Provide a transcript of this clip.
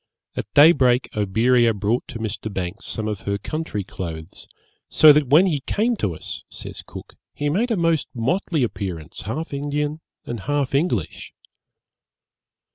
At day break Oberea brought to Mr. Banks some of her country clothes; 'so that when he came to us,' says Cook, 'he made a most motley appearance, half Indian and half English.'